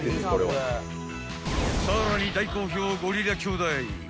更に大好評、ゴリラ兄弟。